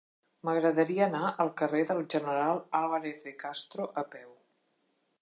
M'agradaria anar al carrer del General Álvarez de Castro a peu.